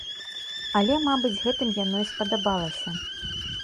Але, мабыць гэтым яно і спадабалася.